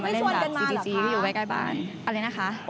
เราไม่ชวนกันมาหรือคะ